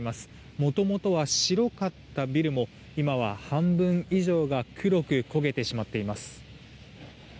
もともとは白かったビルも今は半分以上が黒く焦げてしまっています。